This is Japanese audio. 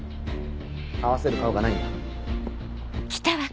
合わせる顔がないんだ。